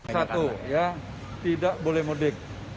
satu ya tidak boleh mudik